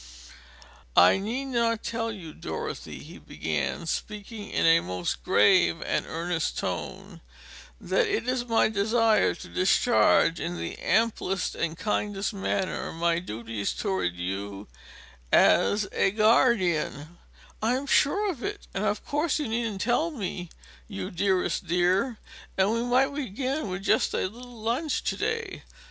"I need not tell you, Dorothy," he began, speaking in a most grave and earnest tone, "that it is my desire to discharge in the amplest and kindest manner my duties towards you as a guardian " "I'm sure of it, and of course you needn't tell me, you dearest dear and we might begin with just a little lunch to day.